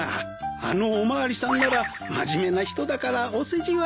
あのお巡りさんなら真面目な人だからお世辞は言わんじゃろう。